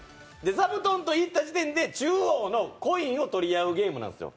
「ざぶとん」って言った時点で中央のコインを取り合うゲームなんですよ。